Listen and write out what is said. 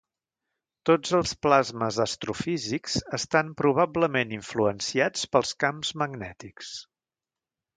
Tots els plasmes astrofísics estan probablement influenciats pels camps magnètics.